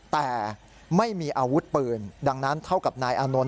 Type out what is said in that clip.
แต่ไม่มีอาวุธปืนดังนั้นเท่ากับนายอานนท